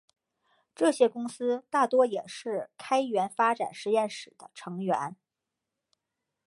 这些公司大多也是开源发展实验室的成员。